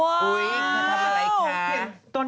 อุ๊ยคุณทำอะไรคะ